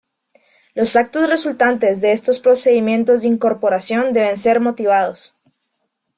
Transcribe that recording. Los actos resultantes de estos procedimientos de incorporación deben ser motivados.